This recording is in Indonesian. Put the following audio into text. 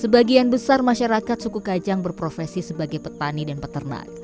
sebagian besar masyarakat suku kajang berprofesi sebagai petani dan peternak